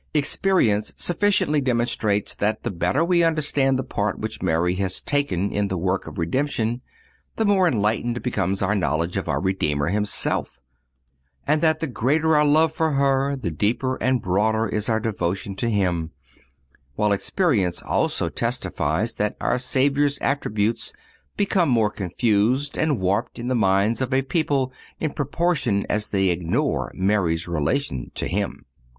Experience sufficiently demonstrates that the better we understand the part which Mary has taken in the work of redemption, the more enlightened becomes our knowledge of our Redeemer Himself, and that the greater our love for her, the deeper and broader is our devotion to Him; while experience also testifies that our Savior's attributes become more confused and warped in the minds of a people in proportion as they ignore Mary's relations to Him.